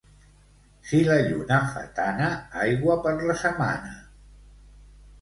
Si la lluna fa tana, aigua per la setmana.